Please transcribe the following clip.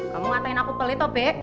kamu ngatain aku pelet be